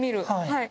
はい。